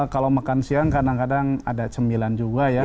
kalau makan siang kadang kadang ada cemilan juga ya